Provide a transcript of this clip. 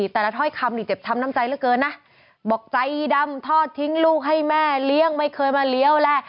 ถ้อยคำนี่เจ็บช้ำน้ำใจเหลือเกินนะบอกใจดำทอดทิ้งลูกให้แม่เลี้ยงไม่เคยมาเลี้ยวแหละ